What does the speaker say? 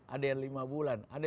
ada yang lima bulan